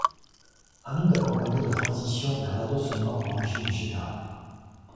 À nous d’accompagner la transition vers l’adossement au régime général.